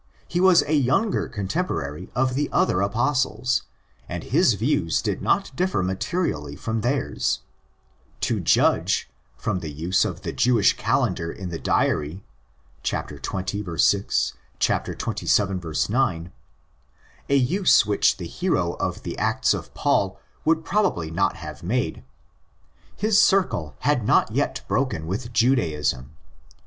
He was a younger contemporary of the other Apostles, and his views did not differ materially from theirs. To judge from the use of the Jewish calendar in the diary (xx. 6, xxvil. 9) —a use which the hero of the Acts of Paul would probably not have made—his circle had not yet broken with Judaism.